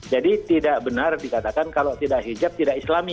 jadi tidak benar dikatakan kalau tidak hijab tidak islami